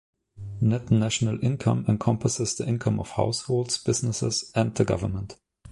Net national income encompasses the income of households, businesses, and the government.